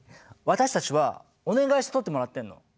私たちはお願いして撮ってもらってんの。